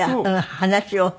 話を。